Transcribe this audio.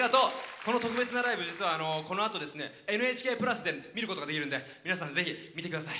この特別なライブ実はこのあと「ＮＨＫプラス」で見ることができるんで皆さんぜひ見てください。